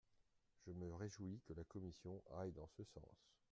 Je me réjouis que la commission aille dans ce sens.